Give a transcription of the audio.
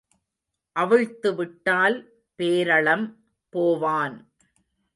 அவிழ்த்து விட்டால் பேரளம் போவான்.